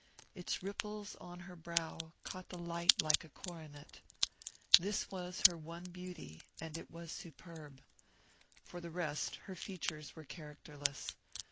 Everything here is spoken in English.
Its ripples on her brow caught the light like a coronet. This was her one beauty, and it was superb. For the rest, her features were characterless.